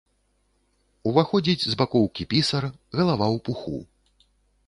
Уваходзіць з бакоўкі пісар, галава ў пуху.